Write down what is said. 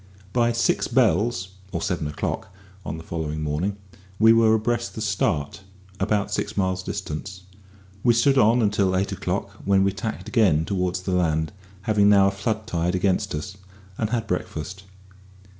By "six bells," or seven o'clock, on the following morning we were abreast the Start, about six miles distant. We stood on until eight o'clock, when we tacked again towards the land, having now a flood tide against us, and had breakfast.